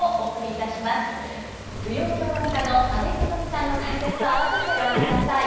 舞踊評論家の阿部さとみさんの解説とあわせてご覧ください。